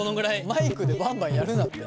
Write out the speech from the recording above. マイクでバンバンやるなって。